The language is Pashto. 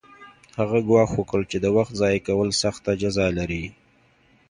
هغه ګواښ وکړ چې د وخت ضایع کول سخته جزا لري